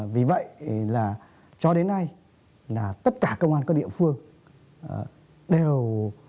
vì vậy là cho đến nay là tất cả công an các địa phương đều